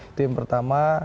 itu yang pertama